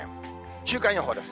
週間予報です。